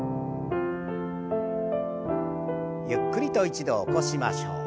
ゆっくりと一度起こしましょう。